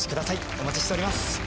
お待ちしております